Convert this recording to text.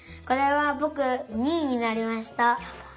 これはぼく２いになりました。